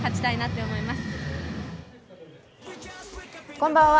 こんばんは。